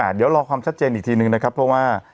เดี๋ยวรอความชัดเจนอีกทีนึงนะครับเพราะว่า